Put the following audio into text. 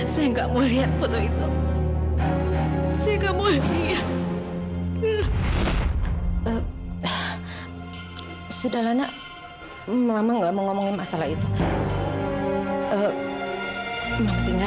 saya mencoba melacaknya dan saya berhasil mendapatkan fotonya